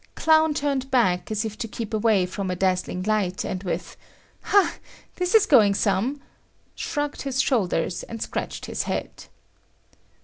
Clown turned back as if to keep away from a dazzling light, and with "Ha, this is going some," shrugged his shoulders and scratched his head.